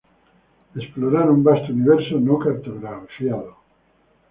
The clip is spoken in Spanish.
Explorar un vasto universo no cartografiado.